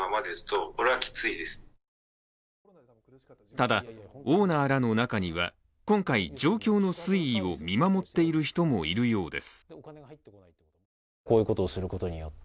ただオーナーらの中には今回、状況の推移を見守っている人もいるようです。